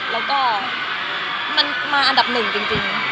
แล้วก็มันมาอันดับหนึ่งจริง